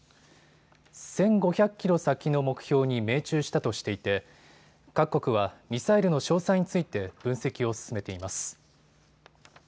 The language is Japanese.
１５００キロ先の目標に命中したとしていて各国はミサイルの詳細について分析を進めています。